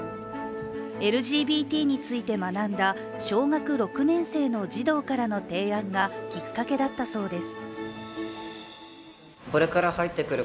ＬＧＢＴについて学んだ小学６年生の児童からの提案がきっかけだったそうです。